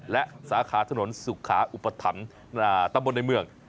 และสาขาถนนสุขาอุปถัมภ์ตำบลในเมือง